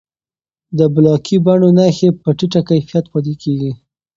د بلاکي بڼو نښې په ټیټه کیفیت پاتې کېږي.